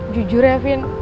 jujur ya vin